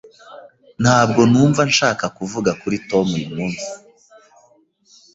Ntabwo numva nshaka kuvuga kuri Tom uyumunsi.